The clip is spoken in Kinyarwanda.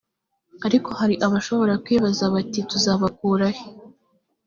ariko hari abashobora kwibaza bati tuzabakurahe